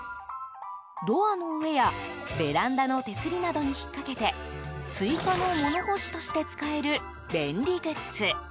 ドアの上や、ベランダの手すりなどに引っ掛けて追加の物干しとして使える便利グッズ。